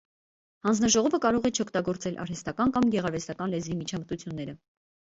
Հանձնաժողովը կարող է չօգտագործել արհեստական կամ գեղարվեստական լեզվի միջամտությունները։